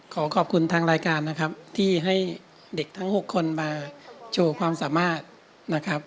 ขอขอบคุณทางรายการนะครับที่ให้เด็กทั้ง๖คนมาโชว์ความสามารถนะครับ